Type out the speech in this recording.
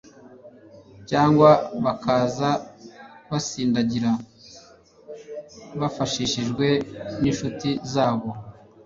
cyangwa bakaza basindagira bafashijwe n'inshuti za bo.